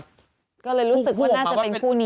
ก็เลยรู้สึกว่าน่าจะเป็นคู่นี้